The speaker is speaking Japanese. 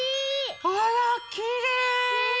あらきれい！